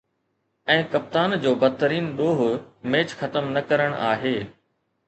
۽ ڪپتان جو بدترين ڏوهه“ ميچ ختم نه ڪرڻ آهي